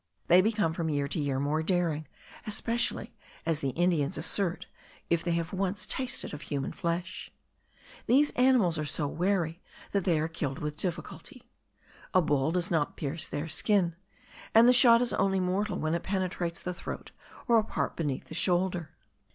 They become from year to year more daring, especially, as the Indians assert, if they have once tasted of human flesh. These animals are so wary, that they are killed with difficulty. A ball does not pierce their skin; and the shot is only mortal when it penetrates the throat or a part beneath the shoulder.